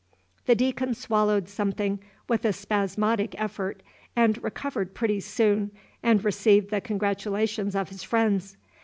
The Deacon swallowed something with a spasmodic effort, and recovered pretty soon and received the congratulations of his friends.